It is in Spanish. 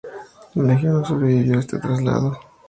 La legión no sobrevivió a este traslado.